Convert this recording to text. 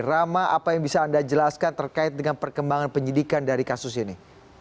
rama apa yang bisa anda jelaskan terkait dengan perkembangan penyidikan dari kasus ini